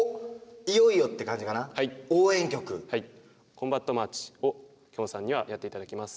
「コンバットマーチ」をきょんさんにはやって頂きます。